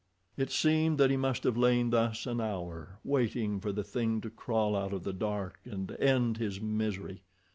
It seemed that he must have lain thus an hour waiting for the thing to crawl out of the dark and end his misery.